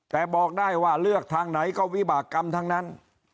แต่บอกได้ว่าเลือกทางไหนก็วิบากรรมทั้งนั้น